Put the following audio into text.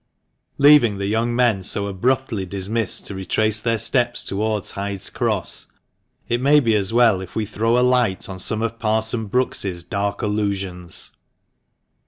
Leaving the young men so abruptly dimissed to retrace their steps towards Hyde's Cross, it may be as well if we throw a light on some of Parson Brookes's dark allusions.